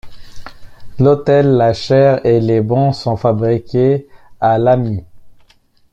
L'autel, la chaire et les bancs sont fabriqués à Lammi.